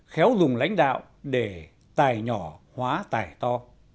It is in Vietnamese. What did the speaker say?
khéo dùng lãnh đạo để tài nhỏ hóa tài to